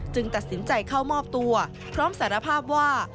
ตัดสินใจเข้ามอบตัวพร้อมสารภาพว่า